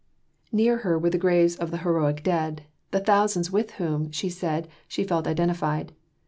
Near her were the graves of the heroic dead, the thousands with whom, she said, she felt identified.